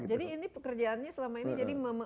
jadi ini pekerjaannya selama ini